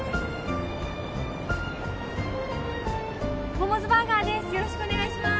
モモズバーガーです